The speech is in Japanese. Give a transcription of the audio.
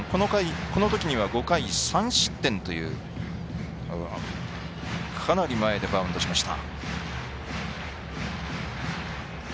このときには５回３失点というかなり前でバウンドしました。